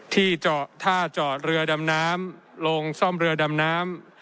ที่เจาะท่าเจาะเรือดำน้ำลงซ่อมเรือดำน้ำ